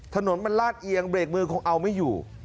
ถนนมันลาดเอียงเบรกมือคงเอาไม่อยู่